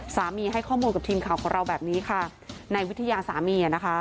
สามีให้ข้อมูลกับทีมข่าวของเราแบบนี้ในวิทยาสามี